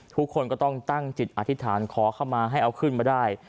ทุกคนก็ต้องตั้งจิตอธิษฐานขอเข้ามาให้เอาขึ้นมาได้